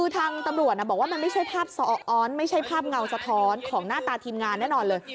ทางตำรวจบอกว่ามันไม่ใช่ภาพสะอ้อนไม่ใช่ภาพเงาสะท้อนของหน้าตาทีมงานแน่นอนเลย